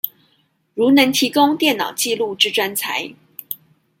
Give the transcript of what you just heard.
如能提供電腦紀錄之專才